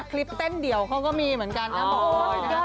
คลิปเต้นเดี่ยวเขาก็มีเหมือนกันนะหมอบอยนะ